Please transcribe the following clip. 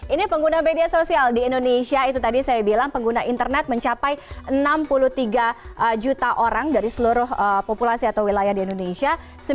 ini pengguna media sosial di indonesia itu tadi saya bilang pengguna internet mencapai enam puluh tiga juta orang dari seluruh populasi atau wilayah di indonesia